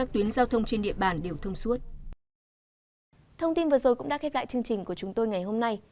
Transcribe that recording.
thông tin vừa rồi cũng đã khép lại chương trình của chúng tôi ngày hôm nay